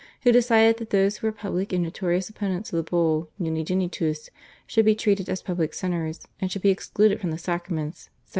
who decided that those who were public and notorious opponents of the Bull, /Unigenitus/, should be treated as public sinners and should be excluded from the sacraments (1756).